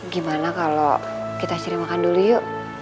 gimana kalau kita cari makan dulu yuk